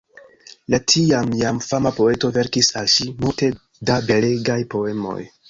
La tiam jam fama poeto verkis al ŝi multe da belegaj poemoj.